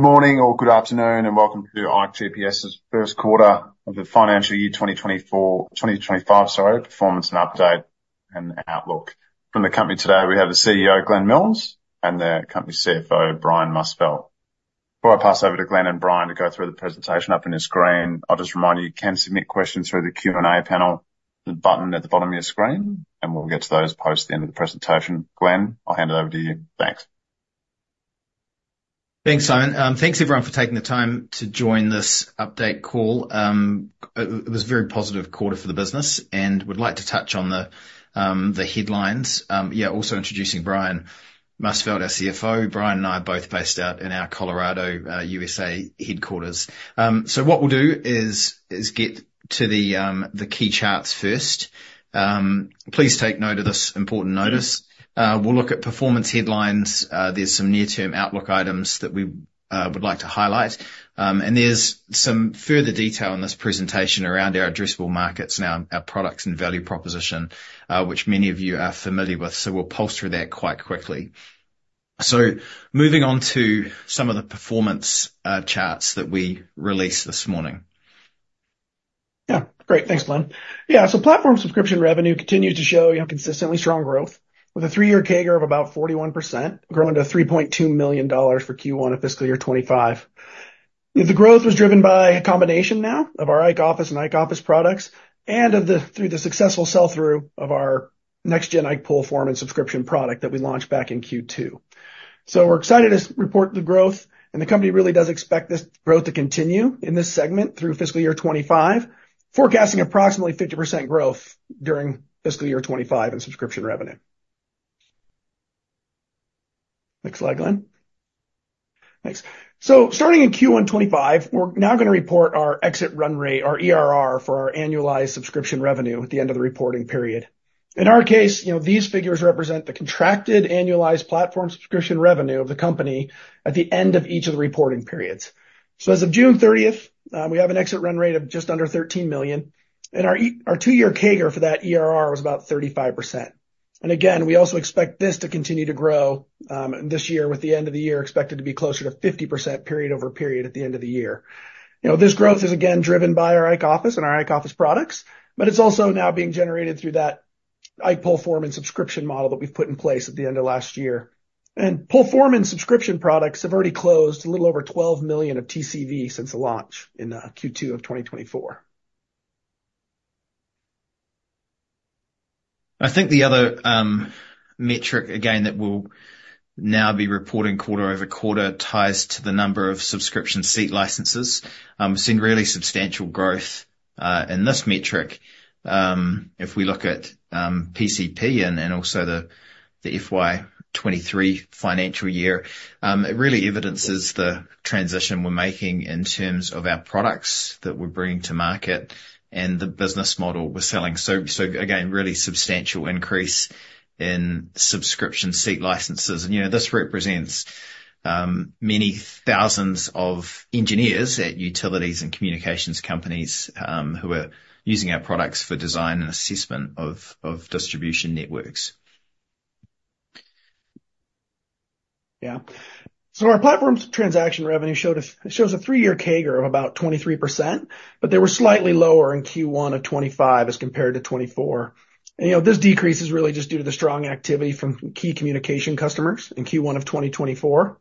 Good morning or good afternoon, and welcome to the ikeGPS's Q1 of the financial year, 2024, 2025, sorry, performance and update and outlook. From the company today, we have the CEO, Glenn Milnes, and the company CFO, Brian Musfeldt. Before I pass over to Glenn and Brian to go through the presentation up on your screen, I'll just remind you, you can submit questions through the Q&A panel, the button at the bottom of your screen, and we'll get to those post the end of the presentation. Glenn, I'll hand it over to you. Thanks. Thanks, Simon. Thanks everyone for taking the time to join this update call. It was a very positive quarter for the business, and we'd like to touch on the headlines. Yeah, also introducing Brian Musfeldt, our CFO. Brian and I are both based out in our Colorado, USA headquarters. So what we'll do is get to the key charts first. Please take note of this important notice. We'll look at performance headlines. There's some near-term outlook items that we would like to highlight. And there's some further detail in this presentation around our addressable markets and our products and value proposition, which many of you are familiar with, so we'll pulse through that quite quickly. So moving on to some of the performance charts that we released this morning. Yeah. Great. Thanks, Glenn. Yeah, so platform subscription revenue continued to show, you know, consistently strong growth with a 3-year CAGR of about 41%, growing to $3.2 million for Q1 of fiscal year 2025. The growth was driven by a combination now of our IKE Office and IKE Office products, and of the, through the successful sell-through of our next gen IKE PoleForeman subscription product that we launched back in Q2. So we're excited to report the growth, and the company really does expect this growth to continue in this segment through fiscal year 2025, forecasting approximately 50% growth during fiscal year 2025 in subscription revenue. Next slide, Glenn. Thanks. So starting in Q1 2025, we're now gonna report our exit run rate, our ERR, for our annualized subscription revenue at the end of the reporting period. In our case, you know, these figures represent the contracted annualized platform subscription revenue of the company at the end of each of the reporting periods. So as of June 30th, we have an exit run rate of just under $13 million, and our two-year CAGR for that ERR was about 35%. And again, we also expect this to continue to grow this year, with the end of the year expected to be closer to 50% period over period at the end of the year. You know, this growth is again driven by our IKE Office and our IKE Office products, but it's also now being generated through that IKE PoleForeman and subscription model that we've put in place at the end of last year. PoleForeman and subscription products have already closed a little over $12 million of TCV since the launch in Q2 of 2024. I think the other metric again, that we'll now be reporting quarter-over-quarter, ties to the number of subscription seat licenses. We've seen really substantial growth in this metric. If we look at PCP and also the FY 2023 financial year, it really evidences the transition we're making in terms of our products that we're bringing to market and the business model we're selling. So again, really substantial increase in subscription seat licenses. And, you know, this represents many thousands of engineers at utilities and communications companies who are using our products for design and assessment of distribution networks. Yeah. So our platform's transaction revenue showed a, shows a three-year CAGR of about 23%, but they were slightly lower in Q1 of 2025 as compared to 2024. And, you know, this decrease is really just due to the strong activity from key communication customers in Q1 of 2024.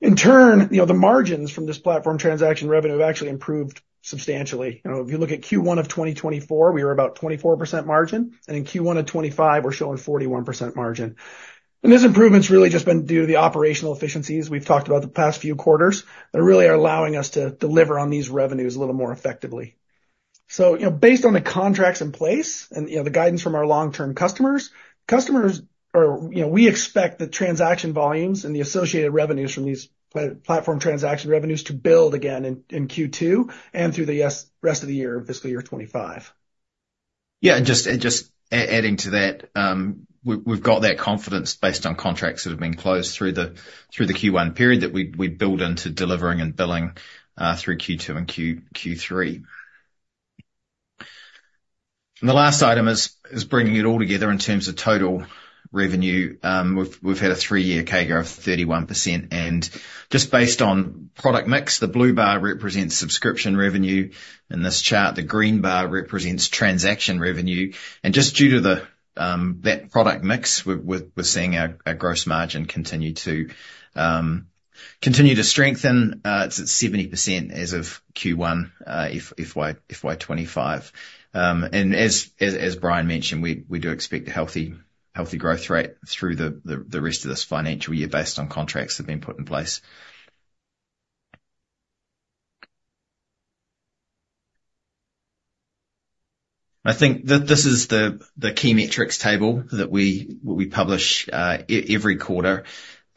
In turn, you know, the margins from this platform transaction revenue have actually improved substantially. You know, if you look at Q1 of 2024, we were about 24% margin, and in Q1 of 2025, we're showing 41% margin. And this improvement's really just been due to the operational efficiencies we've talked about the past few quarters, that really are allowing us to deliver on these revenues a little more effectively. So, you know, based on the contracts in place and, you know, the guidance from our long-term customers, customers are... You know, we expect the transaction volumes and the associated revenues from these platform transaction revenues to build again in Q2 and through the rest of the year, fiscal year 2025. Yeah, adding to that, we've got that confidence based on contracts that have been closed through the Q1 period, that we build into delivering and billing through Q2 and Q3. And the last item is bringing it all together in terms of total revenue. We've had a three-year CAGR of 31%, and just based on product mix, the blue bar represents subscription revenue. In this chart, the green bar represents transaction revenue. And just due to that product mix, we're seeing our gross margin continue to strengthen. It's at 70% as of Q1, FY 2025. And as Brian mentioned, we do expect a healthy growth rate through the rest of this financial year based on contracts that have been put in place. I think this is the key metrics table that we publish every quarter.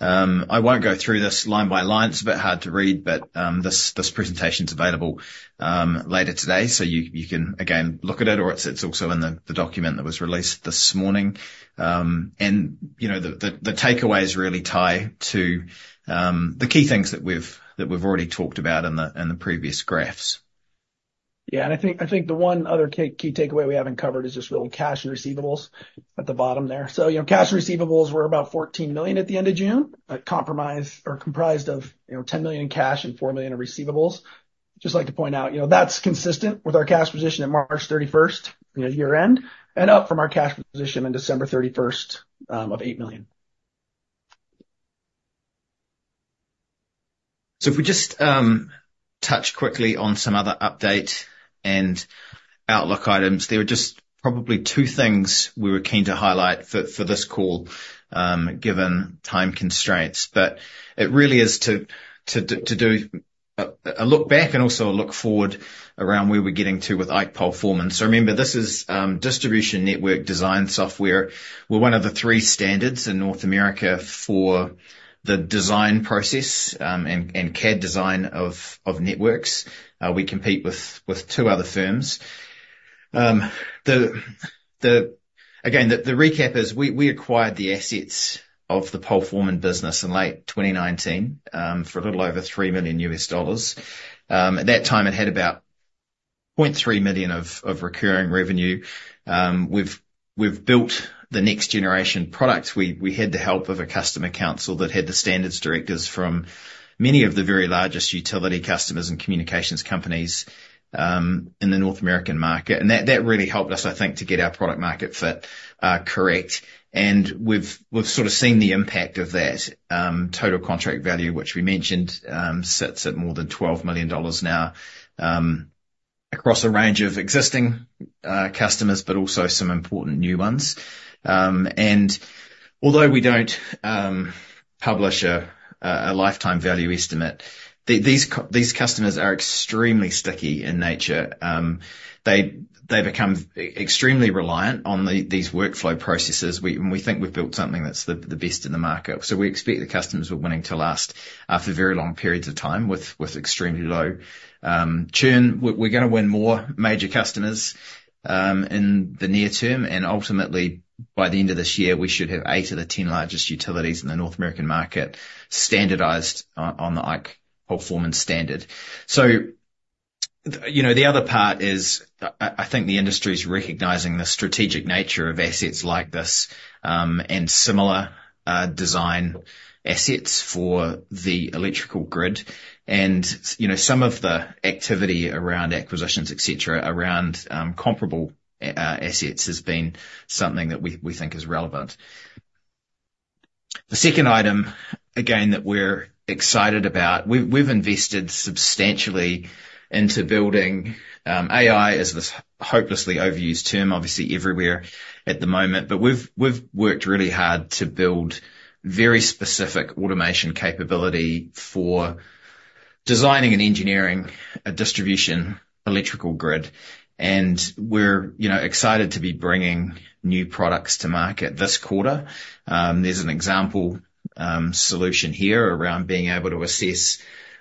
I won't go through this line by line. It's a bit hard to read, but this presentation's available later today, so you can again look at it, or it's also in the document that was released this morning. And, you know, the takeaways really tie to the key things that we've already talked about in the previous graphs. Yeah, and I think the one other key takeaway we haven't covered is just really cash and receivables at the bottom there. So, you know, cash receivables were about $14 million at the end of June, comprised of, you know, $10 million in cash and $4 million in receivables. Just like to point out, you know, that's consistent with our cash position at March 31, you know, year-end, and up from our cash position on December 31 of $8 million. So if we just touch quickly on some other update and outlook items, there are just probably two things we were keen to highlight for this call, given time constraints. But it really is to do a look back and also a look forward around where we're getting to with IKE PoleForeman. So remember, this is distribution network design software. We're one of the three standards in North America for the design process, and CAD design of networks. We compete with two other firms. Again, the recap is we acquired the assets of the PoleForeman business in late 2019, for a little over $3 million. At that time, it had about $0.3 million of recurring revenue. We've built the next generation product. We had the help of a customer council that had the standards directors from many of the very largest utility customers and communications companies in the North American market. That really helped us, I think, to get our product market fit correct. We've sort of seen the impact of that. Total contract value, which we mentioned, sits at more than $12 million now, across a range of existing customers, but also some important new ones. Although we don't publish a lifetime value estimate, these customers are extremely sticky in nature. They become extremely reliant on these workflow processes. We think we've built something that's the best in the market. So we expect the customers we're winning to last for very long periods of time, with extremely low churn. We're gonna win more major customers in the near term, and ultimately, by the end of this year, we should have eight of the 10 largest utilities in the North American market standardized on the IKE PoleForeman standard. So, you know, the other part is, I think the industry is recognizing the strategic nature of assets like this, and similar design assets for the electrical grid. And, you know, some of the activity around acquisitions, et cetera, around comparable assets, has been something that we think is relevant. The second item, again, that we're excited about, we've invested substantially into building AI, as this hopelessly overused term, obviously everywhere at the moment. But we've worked really hard to build very specific automation capability for designing and engineering a distribution electrical grid, and we're, you know, excited to be bringing new products to market this quarter. There's an example solution here around being able to assess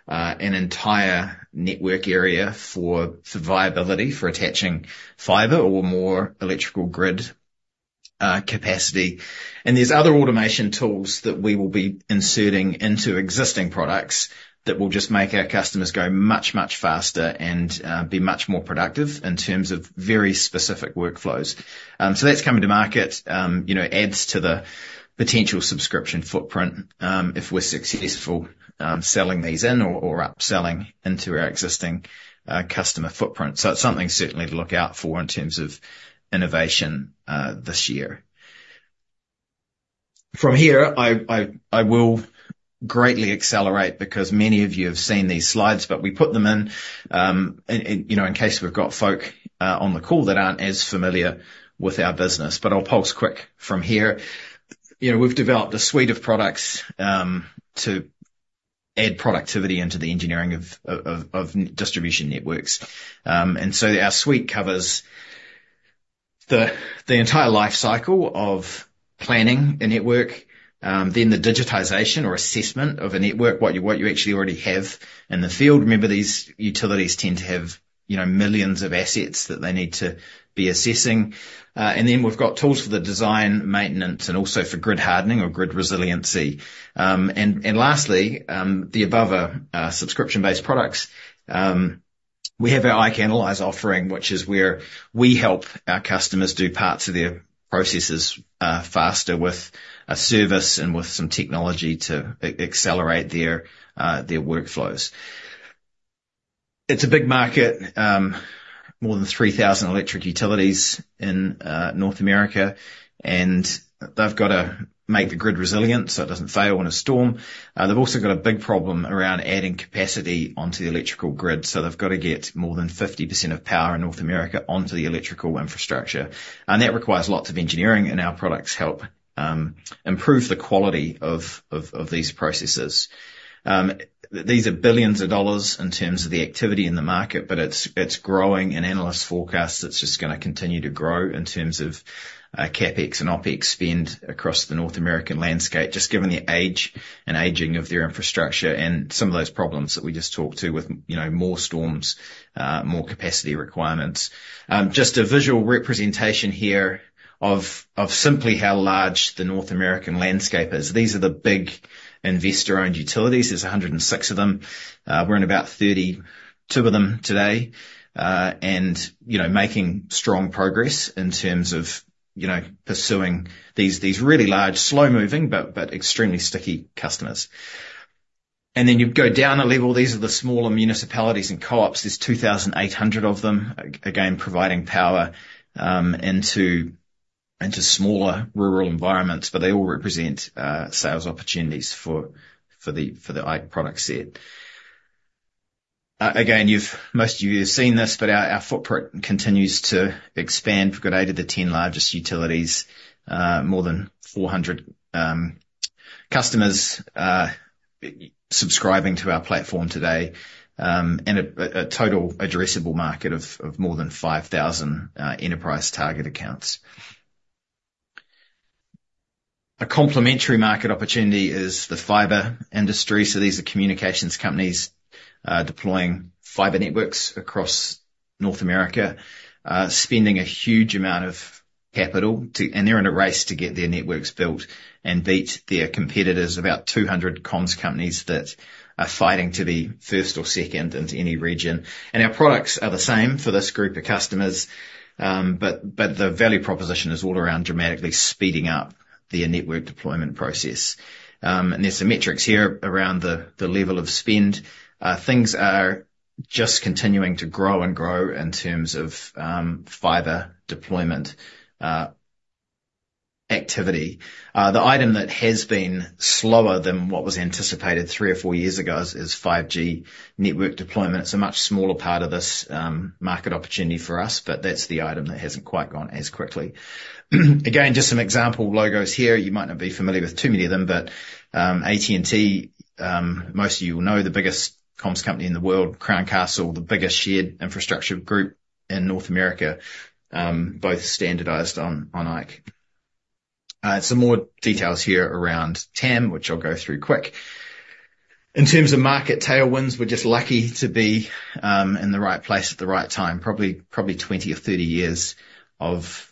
an entire network area for survivability, for attaching fiber or more electrical grid capacity. And there's other automation tools that we will be inserting into existing products that will just make our customers go much, much faster and be much more productive in terms of very specific workflows. So that's coming to market. You know, adds to the potential subscription footprint, if we're successful, selling these in or upselling into our existing customer footprint. So it's something certainly to look out for in terms of innovation this year. From here, I will greatly accelerate because many of you have seen these slides, but we put them in, you know, in case we've got folks on the call that aren't as familiar with our business. But I'll push quick from here. You know, we've developed a suite of products to add productivity into the engineering of distribution networks. And so our suite covers the entire life cycle of planning a network, then the digitization or assessment of a network, what you actually already have in the field. Remember, these utilities tend to have, you know, millions of assets that they need to be assessing. And then we've got tools for the design, maintenance, and also for grid hardening or grid resiliency. And lastly, the above are subscription-based products. We have our IKE Analyze offering, which is where we help our customers do parts of their processes faster with a service and with some technology to accelerate their workflows. It's a big market, more than 3,000 electric utilities in North America, and they've got to make the grid resilient, so it doesn't fail in a storm. They've also got a big problem around adding capacity onto the electrical grid, so they've got to get more than 50% of power in North America onto the electrical infrastructure. And that requires lots of engineering, and our products help improve the quality of these processes. These are $ billions in terms of the activity in the market, but it's growing, and analysts forecast it's just gonna continue to grow in terms of CapEx and OpEx spend across the North American landscape, just given the age and aging of their infrastructure and some of those problems that we just talked to with, you know, more storms, more capacity requirements. Just a visual representation here of simply how large the North American landscape is. These are the big investor-owned utilities. There's 106 of them. We're in about 32 of them today, and, you know, making strong progress in terms of you know, pursuing these, these really large, slow-moving, but, but extremely sticky customers. And then you go down a level, these are the smaller municipalities and co-ops. There's 2,800 of them, again, providing power into smaller rural environments, but they all represent sales opportunities for the IKE product set. Again, most of you have seen this, but our footprint continues to expand. We've got 8 of the 10 largest utilities, more than 400 customers subscribing to our platform today, and a total addressable market of more than 5,000 enterprise target accounts. A complementary market opportunity is the fiber industry. So these are communications companies deploying fiber networks across North America, spending a huge amount of capital to... They're in a race to get their networks built and beat their competitors, about 200 comms companies that are fighting to be first or second into any region. Our products are the same for this group of customers, but the value proposition is all around dramatically speeding up their network deployment process. And there's some metrics here around the level of spend. Things are just continuing to grow and grow in terms of fiber deployment activity. The item that has been slower than what was anticipated three or four years ago is 5G network deployment. It's a much smaller part of this market opportunity for us, but that's the item that hasn't quite gone as quickly. Again, just some example logos here. You might not be familiar with too many of them, but AT&T, most of you will know, the biggest comms company in the world, Crown Castle, the biggest shared infrastructure group in North America, both standardized on IKE. Some more details here around TAM, which I'll go through quick. In terms of market tailwinds, we're just lucky to be in the right place at the right time. Probably twenty or thirty years of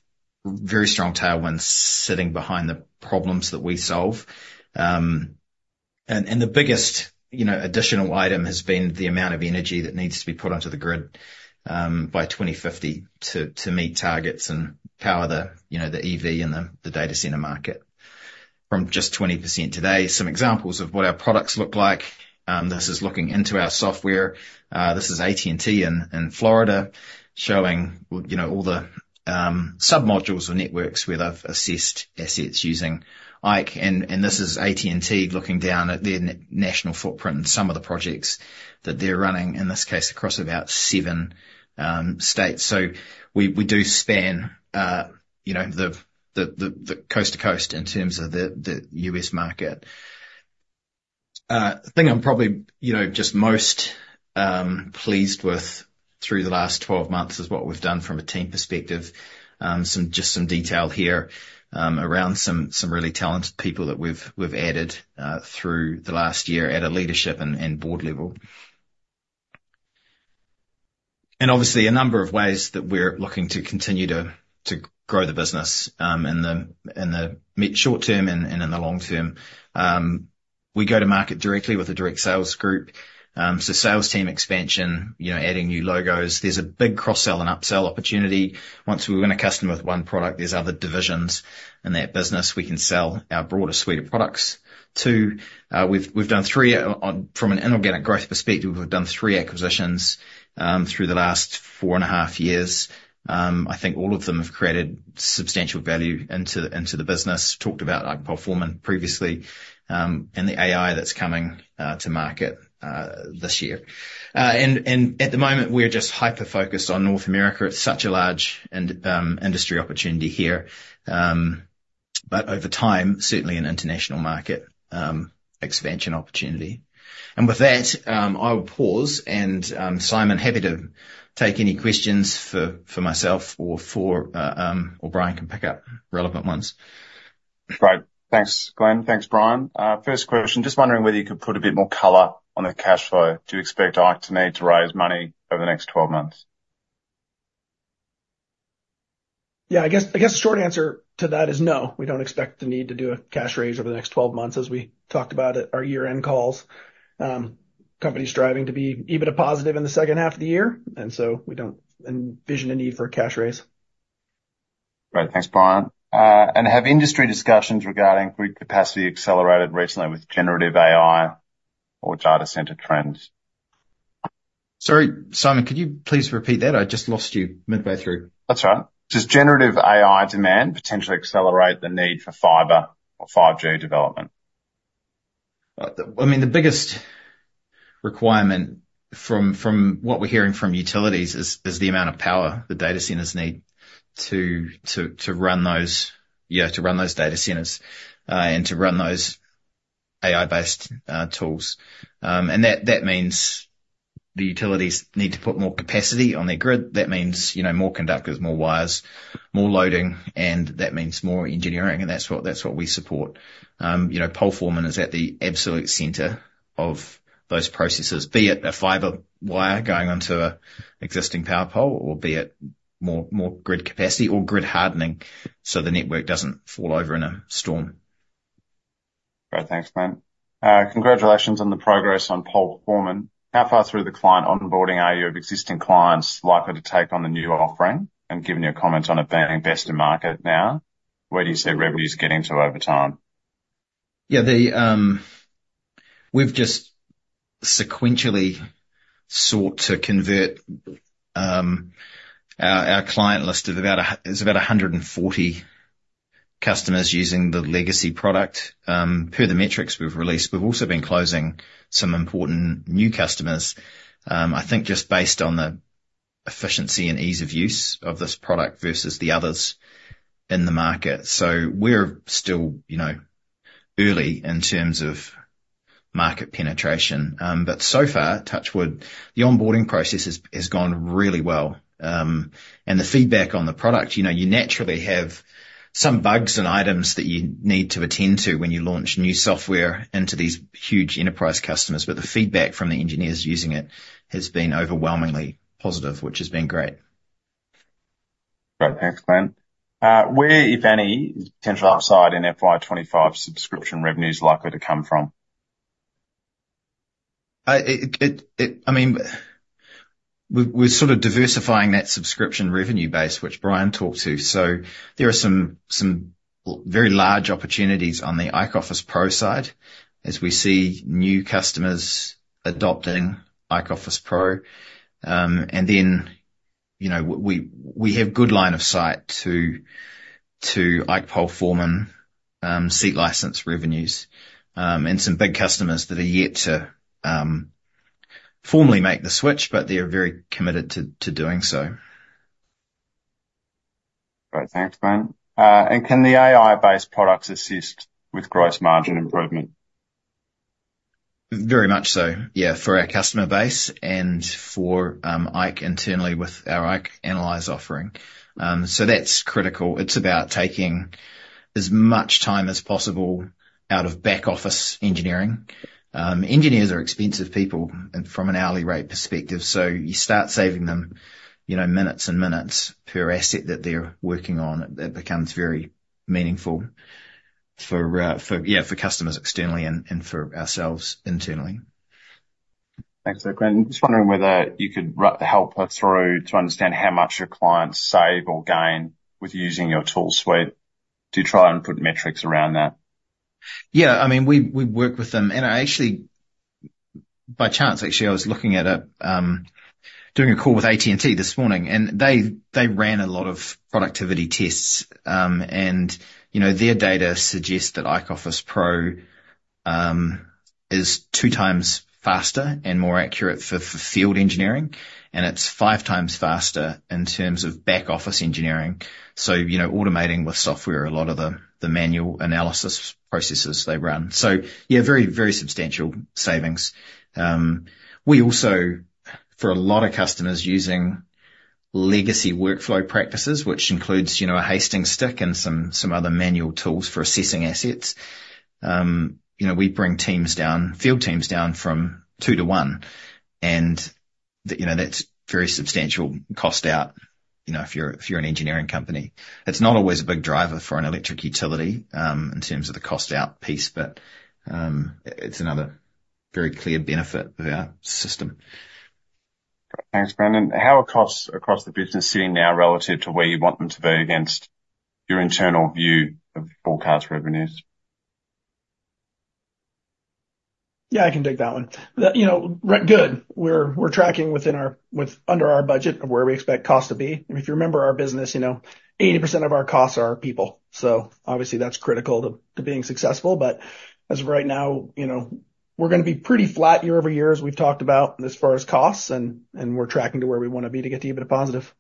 very strong tailwinds sitting behind the problems that we solve. And the biggest, you know, additional item has been the amount of energy that needs to be put onto the grid by 2050 to meet targets and power the, you know, the EV and the data center market from just 20% today. Some examples of what our products look like, this is looking into our software. This is AT&T in Florida, showing, you know, all the submodules or networks where they've assessed assets using IKE. This is AT&T looking down at their national footprint and some of the projects that they're running, in this case, across about 7 states. So we do span, you know, the coast to coast in terms of the U.S. market. The thing I'm probably, you know, just most pleased with through the last 12 months is what we've done from a team perspective. Just some detail here around some really talented people that we've added through the last year at a leadership and board level. Obviously, a number of ways that we're looking to continue to grow the business in the mid short term and in the long term. We go to market directly with a direct sales group. So sales team expansion, you know, adding new logos. There's a big cross-sell and upsell opportunity. Once we win a customer with one product, there's other divisions in that business we can sell our broader suite of products to. We've done three. From an inorganic growth perspective, we've done three acquisitions through the last four and a half years. I think all of them have created substantial value into the business. Talked about like PoleForeman previously, and the AI that's coming to market this year. And at the moment, we're just hyper-focused on North America. It's such a large industry opportunity here. But over time, certainly an international market expansion opportunity. With that, I'll pause, and, Simon, happy to take any questions for myself or Brian can pick up relevant ones. Great. Thanks, Glenn. Thanks, Brian. First question, just wondering whether you could put a bit more color on the cash flow. Do you expect IKE to need to raise money over the next 12 months? Yeah, I guess, I guess the short answer to that is no, we don't expect the need to do a cash raise over the next 12 months, as we talked about at our year-end calls. Company's striving to be EBITDA positive in the second half of the year, and so we don't envision a need for a cash raise. Great. Thanks, Brian. Have industry discussions regarding grid capacity accelerated recently with generative AI or data center trends? Sorry, Simon, could you please repeat that? I just lost you midway through. That's all right. Does generative AI demand potentially accelerate the need for fiber or 5G development? I mean, the biggest requirement from what we're hearing from utilities is the amount of power the data centers need to run those, yeah, to run those data centers, and to run those AI-based tools. And that means the utilities need to put more capacity on their grid. That means, you know, more conductors, more wires, more loading, and that means more engineering, and that's what we support. You know, PoleForeman is at the absolute center of those processes, be it a fiber wire going onto an existing power pole, or be it more grid capacity or grid hardening, so the network doesn't fall over in a storm. Great, thanks, Glenn. Congratulations on the progress on PoleForeman. How far through the client onboarding are you, of existing clients likely to take on the new offering? And given your comment on it being best of market now, where do you see revenues getting to over time? Yeah, we've just sequentially sought to convert our client list of about 140 customers using the legacy product. Per the metrics we've released, we've also been closing some important new customers. I think just based on the efficiency and ease of use of this product versus the others in the market. So we're still, you know, early in terms of market penetration. But so far, touch wood, the onboarding process has gone really well. And the feedback on the product, you know, you naturally have some bugs and items that you need to attend to when you launch new software into these huge enterprise customers, but the feedback from the engineers using it has been overwhelmingly positive, which has been great. Great. Thanks, Glenn. Where, if any, potential upside in FY 25 subscription revenue is likely to come from? I mean, we're sort of diversifying that subscription revenue base, which Brian talked to. So there are some very large opportunities on the IKE Office Pro side, as we see new customers adopting IKE Office Pro. And then, you know, we have good line of sight to IKE PoleForeman seat license revenues, and some big customers that are yet to formally make the switch, but they are very committed to doing so. Great. Thanks, Glenn. Can the AI-based products assist with gross margin improvement? Very much so, yeah, for our customer base and for IKE internally with our IKE Analyze offering. So that's critical. It's about taking as much time as possible out of back office engineering. Engineers are expensive people and from an hourly rate perspective, so you start saving them, you know, minutes and minutes per asset that they're working on, that becomes very meaningful for, yeah, for customers externally and for ourselves internally. Thanks. So Glenn, I'm just wondering whether you could help us through to understand how much your clients save or gain with using your tool suite, to try and put metrics around that. Yeah. I mean, we work with them, and I actually, by chance, actually, I was looking at it, doing a call with AT&T this morning, and they ran a lot of productivity tests. And, you know, their data suggests that IKE Office Pro is two times faster and more accurate for field engineering, and it's five times faster in terms of back office engineering. So, you know, automating with software a lot of the manual analysis processes they run. So yeah, very, very substantial savings. We also, for a lot of customers using legacy workflow practices, which includes, you know, a Hastings stick and some other manual tools for assessing assets, you know, we bring teams down, field teams down from two to one, and, you know, that's very substantial cost out, you know, if you're an engineering company. It's not always a big driver for an electric utility, in terms of the cost out piece, but it's another very clear benefit of our system. Thanks, Glenn. And how are costs across the business sitting now relative to where you want them to be against your internal view of forecast revenues? Yeah, I can take that one. You know, we're tracking within our budget of where we expect cost to be. If you remember our business, you know, 80% of our costs are our people, so obviously that's critical to being successful. But as of right now, you know, we're gonna be pretty flat year-over-year, as we've talked about, as far as costs, and we're tracking to where we want to be to get to a bit of positive.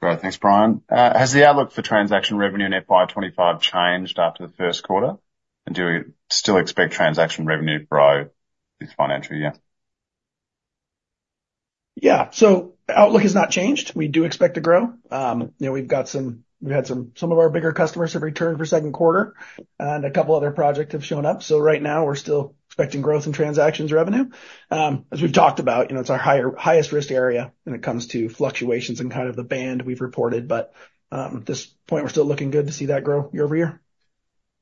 Great. Thanks, Brian. Has the outlook for transaction revenue in FY 25 changed after the first quarter? And do we still expect transaction revenue to grow this financial year? Yeah. So outlook has not changed. We do expect to grow. You know, we've had some of our bigger customers have returned for Q2, and a couple other projects have shown up. So right now we're still expecting growth in transactions revenue. As we've talked about, you know, it's our higher, highest risk area when it comes to fluctuations and kind of the band we've reported. But at this point, we're still looking good to see that grow year-over-year.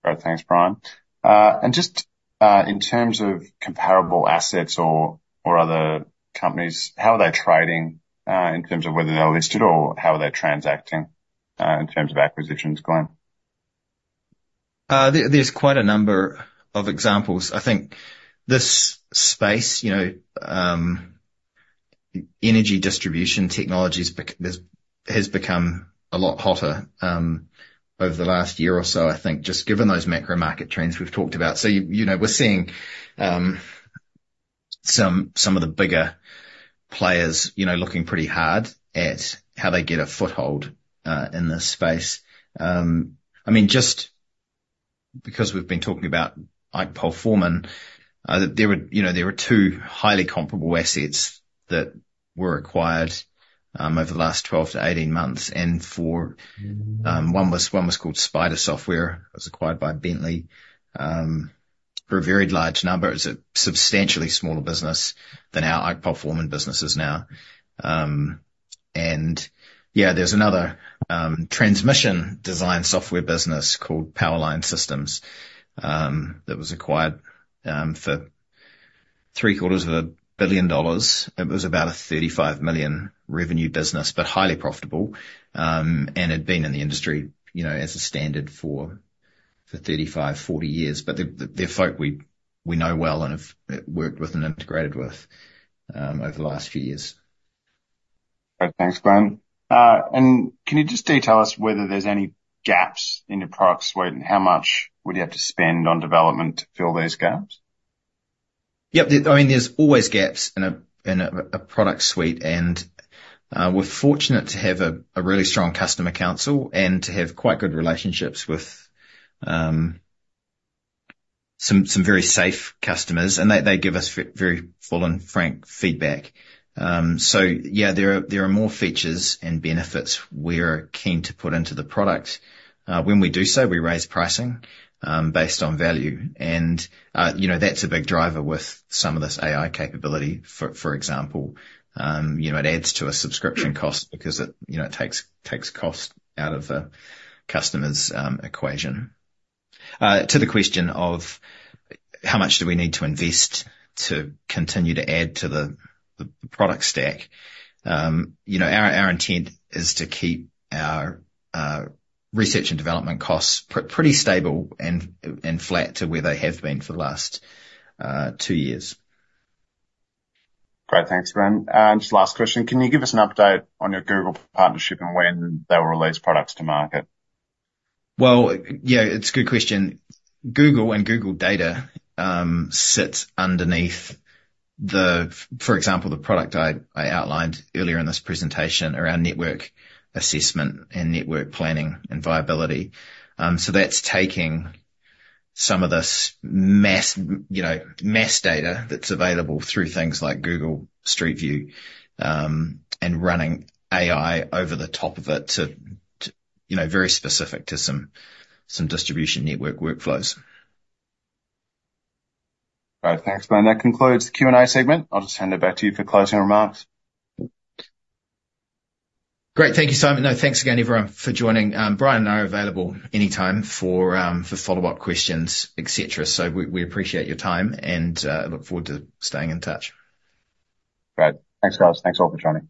Great. Thanks, Brian. And just, in terms of comparable assets or other companies, how are they trading, in terms of whether they're listed or how are they transacting, in terms of acquisitions, Glenn? There's quite a number of examples. I think this space, you know, energy distribution technologies has become a lot hotter over the last year or so, I think, just given those macro-market trends we've talked about. So, you know, we're seeing some of the bigger players, you know, looking pretty hard at how they get a foothold in this space. I mean, just because we've been talking about IKE PoleForeman, there were two highly comparable assets that were acquired over the last 12-18 months, and one was called SPIDA Software. It was acquired by Bentley for a very large number. It's a substantially smaller business than our IKE PoleForeman business is now. And yeah, there's another transmission design software business called Power Line Systems that was acquired for $750 million. It was about a $35 million revenue business, but highly profitable, and had been in the industry, you know, as a standard for 35-40 years. But they're folks we know well and have worked with and integrated with over the last few years. Great. Thanks, Glenn. Can you just detail us whether there's any gaps in your product suite, and how much would you have to spend on development to fill those gaps? Yep. I mean, there's always gaps in a product suite, and we're fortunate to have a really strong customer council and to have quite good relationships with some very safe customers, and they give us very full and frank feedback. So yeah, there are more features and benefits we're keen to put into the product. When we do so, we raise pricing based on value, and you know, that's a big driver with some of this AI capability. For example, you know, it adds to a subscription cost because it takes cost out of a customer's equation. To the question of how much do we need to invest to continue to add to the product stack, you know, our intent is to keep our research and development costs pretty stable and flat to where they have been for the last two years. Great. Thanks, Glenn. Just last question: Can you give us an update on your Google partnership and when they will release products to market? Well, yeah, it's a good question. Google and Google data sits underneath the... For example, the product I outlined earlier in this presentation around network assessment and network planning and viability. So that's taking some of this mass, you know, mass data that's available through things like Google Street View, and running AI over the top of it to, you know, very specific to some distribution network workflows. All right. Thanks, Glenn. That concludes the Q&A segment. I'll just hand it back to you for closing remarks. Great. Thank you, Simon. Now, thanks again, everyone, for joining. Brian and I are available anytime for follow-up questions, et cetera. So we appreciate your time, and look forward to staying in touch. Great. Thanks, guys. Thanks all for joining.